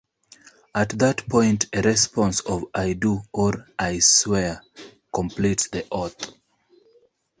At that point a response of "I do" or "I swear" completes the oath.